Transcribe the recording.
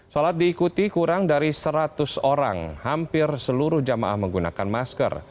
sholat diikuti kurang dari seratus orang hampir seluruh jemaah menggunakan masker